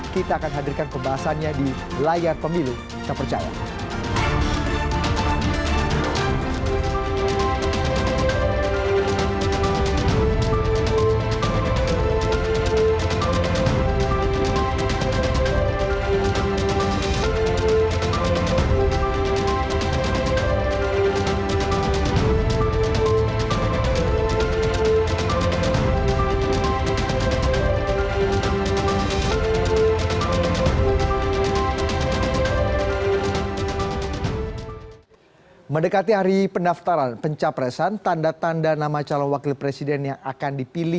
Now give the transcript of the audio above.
kita akan hadirkan pembahasannya di layar pemilu kepercayaan